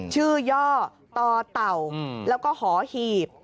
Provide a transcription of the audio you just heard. ชื่อย่อตอเต่าแล้วก็หอหีบ